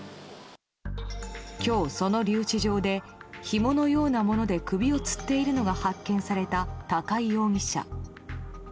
今日その留置場でひものようなもので首をつっているのが発見された高井容疑者。